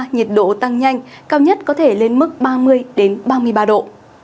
nhiệt độ tăng nhanh cao nhất có thể lên mức ba mươi ba mươi ba độ